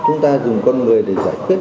chúng ta dùng con người để giải quyết